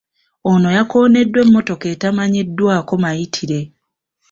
Ono yakooneddwa emmotoka etamanyikiddwako mayitire.